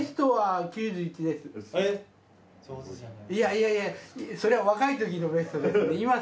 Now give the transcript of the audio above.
いやいやそれは若い時のベストです。